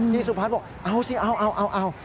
พี่สุภัทรบอกเอาสิเอา